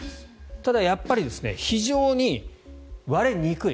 ただやっぱり非常に割れにくい。